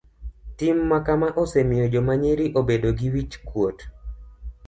Tim makama osemiyo joma nyiri obedo gi wich kuot.